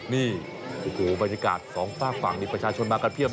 นี่โอ้โหบรรยากาศสองฝากฝั่งนี้ประชาชนมากันเพียบ